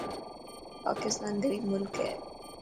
پاڪستان غريب ملڪ هي.